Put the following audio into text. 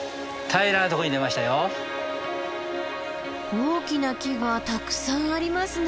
大きな木がたくさんありますね。